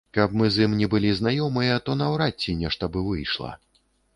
Каб мы з ім не былі знаёмыя, то наўрад ці нешта бы выйшла.